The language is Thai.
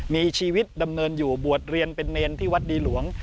มีชีวิตดำเนินอยู่บวชเรียนเป็นเนรที่วัดดีหลวง